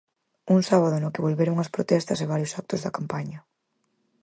Un sábado no que volveron as protestas a varios actos da campaña.